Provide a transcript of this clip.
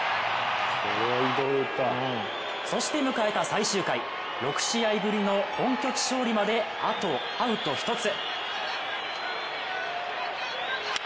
そして迎えた最終回６試合ぶりの本拠地勝利まであとアウト１つ。